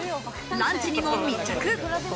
ランチにも密着。